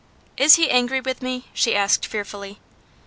"Is he angry with me?" she asked fearfully.